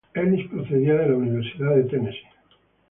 Ellis procedía de la Universidad de Tennessee.